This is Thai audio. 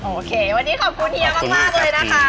โอเควันนี้ขอบคุณเฮียมากเลยนะคะ